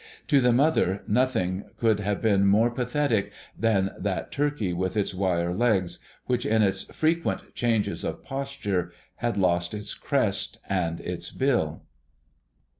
To the mother nothing could have been more pathetic than that turkey with its wire legs, which in its frequent changes of posture had lost its crest and its bill.